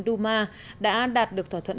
duma đã đạt được thỏa thuận